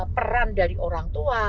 peran dari orang tua